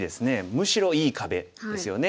むしろいい壁ですよね。